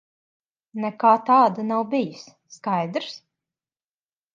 Nekā tāda nav bijis. Skaidrs?